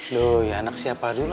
duh anak siapa dulu